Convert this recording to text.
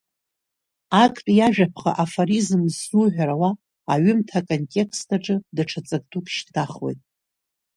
Актәи ажәаԥҟа, афоризм ззуҳәар ауа, аҩымҭа аконтекст аҿы даҽа ҵак дук шьҭнахуеит…